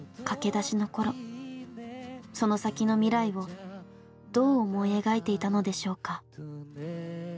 その先の未来をどう思い描いていたのでしょうか。